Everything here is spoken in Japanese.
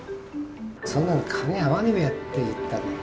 「そんなの金合わねえべや」って言ったんだ。